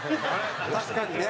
確かにね。